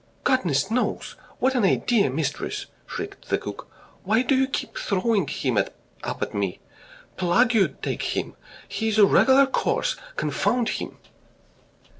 "Goodness knows! What an idea, mistress!" shrieked the cook. "Why do you keep throwing him up at me? Plague take him! He's a regular curse, confound him!